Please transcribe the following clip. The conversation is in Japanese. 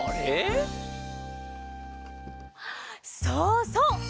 そうそう！